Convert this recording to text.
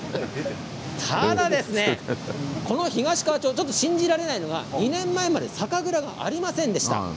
ただ、この東川町ちょっと信じられないのが２年前まで酒蔵がありませんでした。